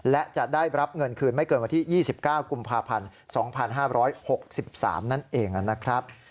และจะได้รับเงินคืนไม่เกินวันที่๒๙กุมภาพันธ์๒๕๖๓นั่นเองนะครับ